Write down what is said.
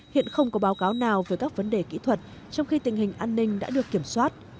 hiện không có báo cáo nào về các vấn đề kỹ thuật trong khi tình hình an ninh đã được kiểm soát